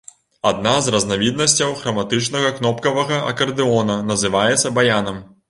Адна з разнавіднасцяў храматычнага кнопкавага акардэона называецца баянам.